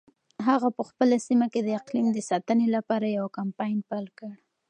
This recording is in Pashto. هغه په خپله سیمه کې د اقلیم د ساتنې لپاره یو کمپاین پیل کړ.